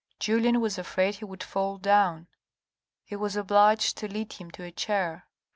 Julien was afraid he would fall down. He was obliged to lead him to a chair.